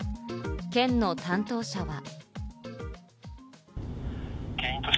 県の担当者は。